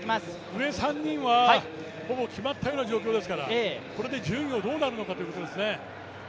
上３人は、ほぼ決まったような状況ですから、これで順位がどうなるかということですね。